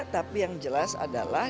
tapi yang jelas adalah